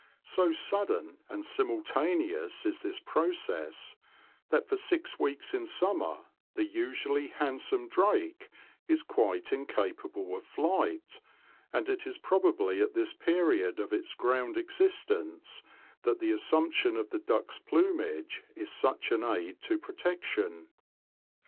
So sudden and simultaneous is this process that for six weeks in summer the usually handsome drake is quite incapable of flight, and it is probably at this period of its ground existence that the as sumption of the duck's plumage is such an aid to protection.